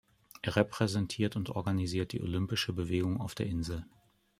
Es repräsentiert und organisiert die olympische Bewegung auf der Insel.